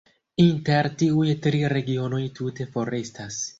Inter tiuj tri regionoj tute forestas.